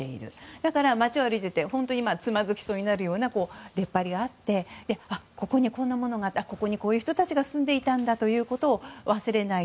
だから、街を歩いていて本当につまずきそうになるようなでっぱりがあってここにはこんなものがあってここには、こんな人たちが住んでいたんだということを忘れない。